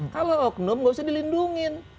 kalau oknum nggak usah dilindungin